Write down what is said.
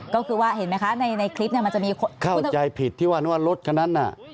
ก็คือว่าเห็นไหมคะในคลิปเนี่ยมันจะมีเข้าใจผิดที่ว่ารถคันนั้นน่ะ